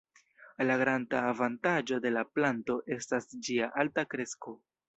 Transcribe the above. La granda avantaĝo de la planto estas ĝia alta kresko.